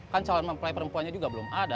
kan calon mempelai perempuannya juga belum ada